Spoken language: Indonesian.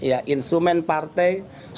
semua kekuatan ya instrumen partai struktur ya